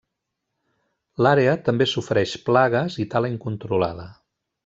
L'àrea també sofreix plagues i tala incontrolada.